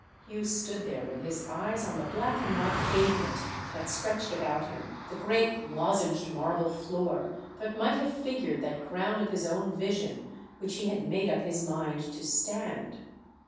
Hugh stood there with his eyes on the black and white pavement that stretched about him—the great loz enged marble floor that might have figured that ground of his own vision which he had made up his mind to "stand."